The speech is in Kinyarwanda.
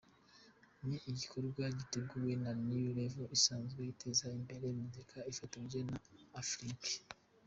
Ni igikorwa cyateguwe na New Level isanzwe iteza imbere muzika ifatanyije na Aflink.